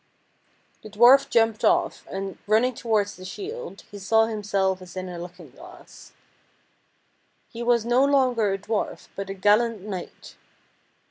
The dwarf jumped off, and, running towards the shield, he saw himself as in a looking glass. 168 FAIRY TALES He was no longer a dwarf, but a gallant knight.